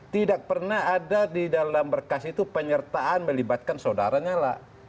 tidak pernah ada di dalam berkas itu penyertaan melibatkan saudara nyala